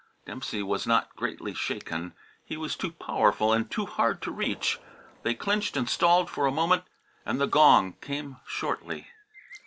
Dempsey was not greatly shaken. He was too powerful and too hard to reach. They clinched and stalled for a moment, and the gong came shortly.